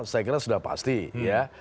saya kira sudah pasti ya